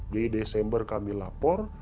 jadi desember kami lapor